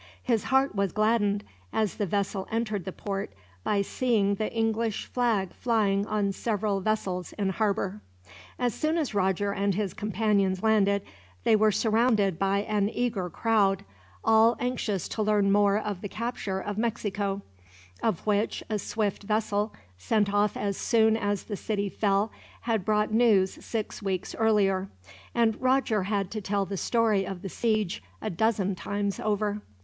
His heart was gladdened, as the vessel entered the port, by seeing the English flag flying on several vessels in harbor. As soon as Roger and his companions landed, they were surrounded by an eager crowd, all anxious to learn more of the capture of Mexico; of which a swift vessel, sent off as soon as the city fell, had brought news six weeks earlier; and Roger had to tell the story of the siege a dozen times over.